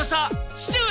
父上！